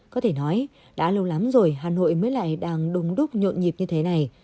có thể nói đã lâu lắm rồi hà nội mới lại đang đông đúc nhộn nhịp như thế này